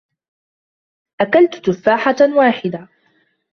أكلَت تفاحة واحدة.